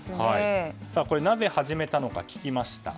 これ、なぜ始めたのか聞きました。